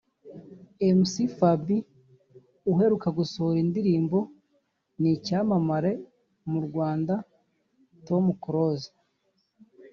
Mc Fab uheruka gusohora indirimbo n’icyamamare mu Rwanda Tom Close